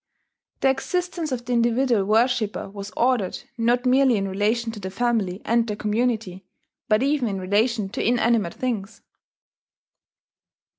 The existence of the individual worshipper was ordered not merely in relation to the family and the community, but even in relation to inanimate things.